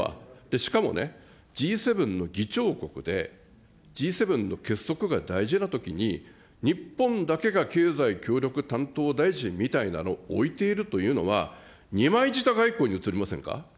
しかもね、Ｇ７の議長国で、Ｇ７の結束が大事なときに、日本だけが経済協力担当大臣みたいなのを置いているというのは、二枚舌外交に映りませんか。